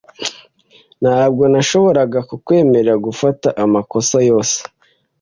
Ntabwo nashoboraga kukwemerera gufata amakosa yose.